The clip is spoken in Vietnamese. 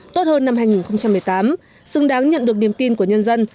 tốt hơn năm hai nghìn một mươi tám xứng đáng nhận được niềm tin của nhân dân